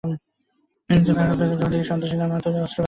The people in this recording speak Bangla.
কিন্তু খারাপ লাগে, যখন দেখি সন্ত্রাসীরা আমার তৈরি অস্ত্র ব্যবহার করছে।